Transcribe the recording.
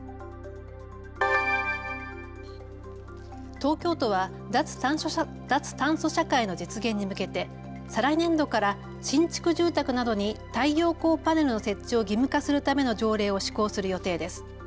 東京都は脱炭素社会の実現に向けて再来年度から新築住宅などに太陽光パネルの設置を義務化するための条例を施行する予定です。